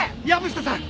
藪下さん